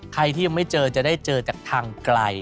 ใครที่ยังไม่เจอจะได้เจอจากทางไกล